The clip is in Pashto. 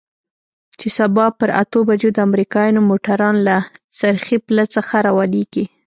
چې سبا پر اتو بجو د امريکايانو موټران له څرخي پله څخه روانېږي.